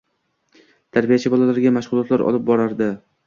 Tarbiyachi bolalarga mashg'ulotlar olib boradi